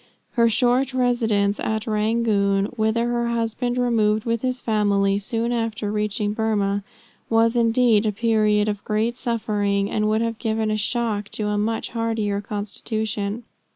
Her short residence at Rangoon, whither her husband removed with his family soon after reaching Burmah, was indeed a period of great suffering, and would have given a shock to a much hardier constitution.